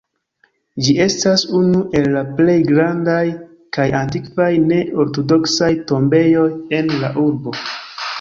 Ĝi estas unu el la plej grandaj kaj antikvaj ne-ortodoksaj tombejoj en la urbo.